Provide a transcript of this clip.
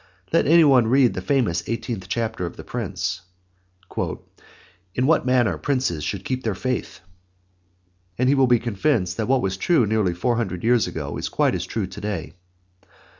Let anyone read the famous eighteenth chapter of The Prince: "In what Manner Princes should keep their Faith," and he will be convinced that what was true nearly four hundred years ago, is quite as true to day.